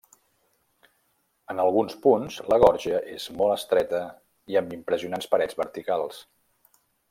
En alguns punts la gorja és molt estreta i amb impressionants parets verticals.